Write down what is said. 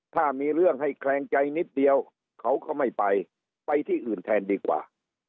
ถ้ามีเรื่องให้แคลงใจนิดเดียวเขาก็ไม่ไปไปที่อื่นแทนดีกว่า